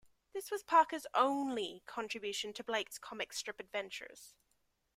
This was Parker's only contribution to Blake's comic strip adventures.